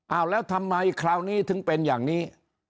เอาแล้วทำไมคราวนี้ถึงเป็นอย่างนี้